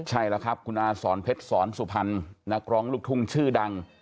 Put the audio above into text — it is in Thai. ใช่แล้วครับคุณอาสอนเพชรสอนสุพรรณนักร้องลูกทุ่งชื่อดัง